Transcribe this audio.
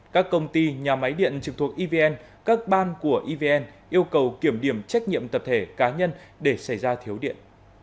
các công ty nhà máy điện trực thuộc evn các ban của evn yêu cầu kiểm điểm trách nhiệm tập thể cá nhân để xảy ra thiếu điện